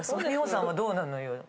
美穂さんはどうなのよ？